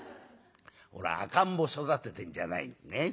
これ赤ん坊育ててんじゃないんだねっ」。